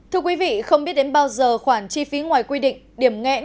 thưa quý vị không biết đến bao giờ khoản chi phí ngoài quy định điểm nghẽn